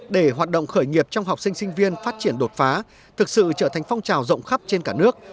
để hoạt động khởi nghiệp trong học sinh sinh viên phát triển đột phá thực sự trở thành phong trào rộng khắp trên cả nước